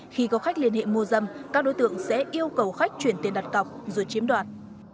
khi có khách liên hệ mua dâm các đối tượng sẽ yêu cầu khách chuyển tiền đặt cọc rồi chiếm đoạt